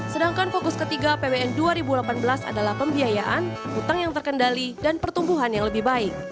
sedangkan fokus ketiga apbn dua ribu delapan belas adalah pembiayaan utang yang terkendali dan pertumbuhan yang lebih baik